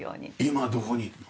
今どこにいるの？